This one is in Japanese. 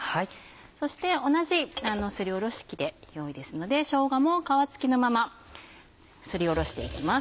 そして同じすりおろし器でよいですのでしょうがも皮付きのまますりおろしていきます。